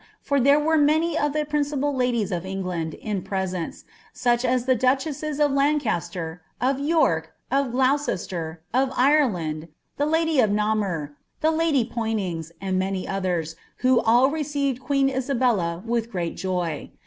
for there were inauy of the principal UJics of Engtanil in pr*. Bcnce, such as the duchesses of Lancaster, of York, of GluuoMtn,^ Iri land,' the lady of Numur, the lady Poinings, an<l many olben, mio all received queen Isabella with great joy.